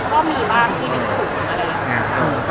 ก็มีบ้างทีนึงครุก